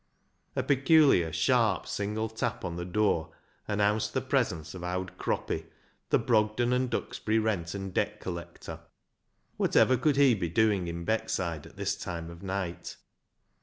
A peculiar, sharp, single tap on the door announced the presence of " Owd Croppy," the Brogden and Duxbury rent and debt collector. Whatever could he be doing in Beckside at this time of night